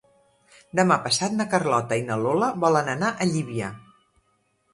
Demà passat na Carlota i na Lola volen anar a Llívia.